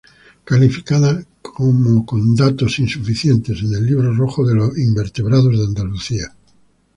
Calificada como con datos insuficientes en el Libro Rojo de los Invertebrados de Andalucía.